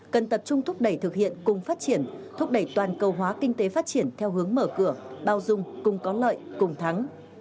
cần tập trung thúc đẩy thực hiện cùng phát triển thúc đẩy toàn cầu hóa kinh tế phát triển theo hướng mở cửa bao dung cùng có lợi cùng thắng